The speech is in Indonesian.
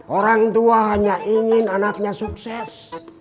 orang tua hanya ingin anaknya sukses